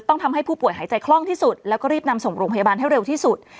ทำให้ผู้ป่วยหายใจคล่องที่สุดแล้วก็รีบนำส่งโรงพยาบาลให้เร็วที่สุด